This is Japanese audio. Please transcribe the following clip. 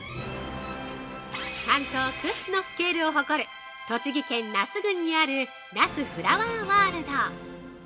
◆関東屈指のスケールを誇る栃木県那須郡にある那須フラワーワールド。